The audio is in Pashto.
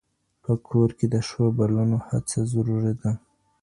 په کور کې د ښو بلنو هڅه ضروري ده.